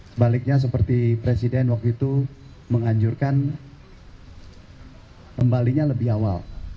sebaliknya seperti presiden waktu itu menganjurkan kembalinya lebih awal